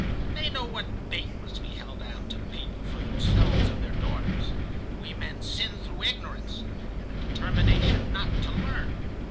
"They know what bait must be held out to people for themselves and their daughters. We men sin through ignorance, and a determination not to learn.